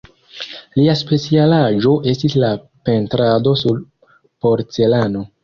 Lia specialaĵo estis la pentrado sur porcelano.